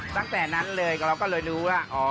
ตั้งแต่นั้นเลยเราก็เลยรู้ว่า